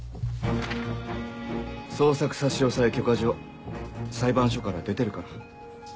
捜索差押許可状裁判所から出てるから。